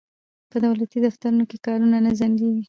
په دولتي دفترونو کې کارونه نه ځنډیږي.